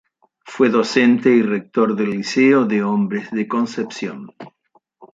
Fue docente y rector del Liceo de Hombres de Concepción.